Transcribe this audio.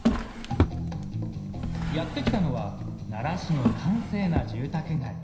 やって来たのは奈良市の閑静な住宅街。